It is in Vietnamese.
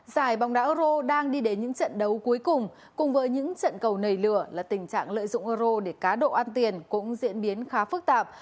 giải bóng đá euro đang đi đến những trận đấu cuối cùng cùng với những trận cầu nảy lửa là tình trạng lợi dụng euro để cá độ ăn tiền cũng diễn biến khá phức tạp